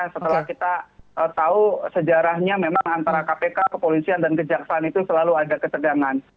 setelah kita tahu sejarahnya memang antara kpk kepolisian dan kejaksaan itu selalu ada ketegangan